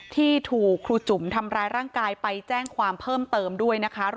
ที่ถูกครูจุ๋มทำร้ายร่างกายไปแจ้งความเพิ่มเติมด้วยนะคะ